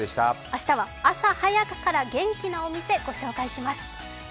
明日は朝早くから元気なお店御紹介します。